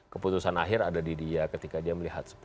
keputusan akhir ada di dia ketika dia melihat